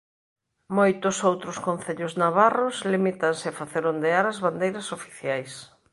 Moitos outros concellos navarros limítanse a facer ondear as bandeiras oficiais.